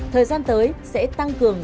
thời gian tới sẽ tăng cường